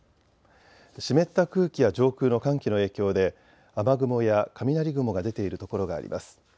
湿った空気や上空の寒気の影響で雨雲や雷雲が出ている所があります。